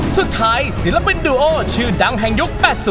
ศิลปินดูโอชื่อดังแห่งยุค๘๐